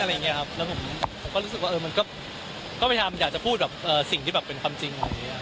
แล้วผมก็รู้สึกว่ามันก็อยากจะพูดสิ่งที่เป็นคำจริง